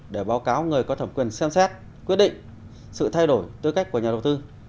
để báo cáo người có thẩm quyền xem xét quyết định sự thay đổi tư cách của nhà đầu tư